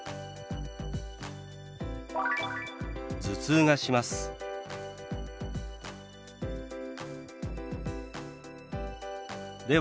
「頭痛がします」。